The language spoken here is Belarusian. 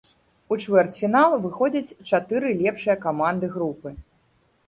У чвэрцьфінал выходзяць чатыры лепшыя каманды групы.